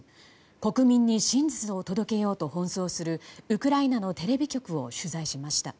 国民に真実を届けようと奔走するウクライナのテレビ局を取材しました。